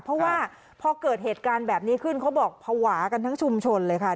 เพราะว่าพอเกิดเหตุการณ์แบบนี้ขึ้นเขาบอกภาวะกันทั้งชุมชนเลยค่ะ